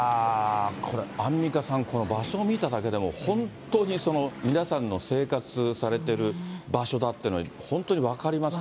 これ、アンミカさん、この場所を見ただけでも、本当に皆さんの生活されてる場所だっていうの、本当に分かります